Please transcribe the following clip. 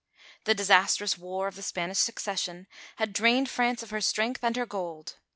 The disastrous war of the Spanish Succession had drained France of her strength and her gold.